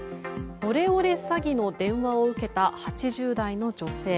オレオレ詐欺の電話を受けた８０代の女性。